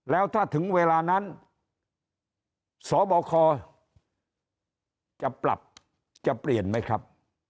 แล้วถ้าถึงเวลานั้นสบคจะปรับจะเปลี่ยนไหมครับ